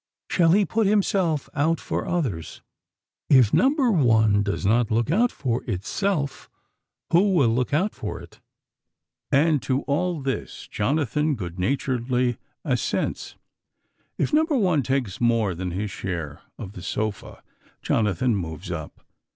Shall he put himself out for others? If number one does not look out for itself, who will look out for it? And to all this Jonathan good naturedly assents. If number one takes more than his share of the sofa, Jonathan moves up.